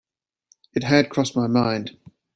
It had crossed my mind.